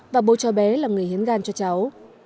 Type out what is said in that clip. và bố cho bé là người hiến gan cho cháu